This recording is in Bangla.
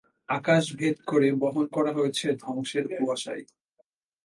আকাশ ভেদ করে বহন করা হয়েছে ধ্বংসের কুয়াশায়!